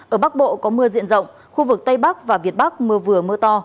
ở bắc bộ có mưa diện rộng khu vực tây bắc và việt bắc mưa vừa mưa to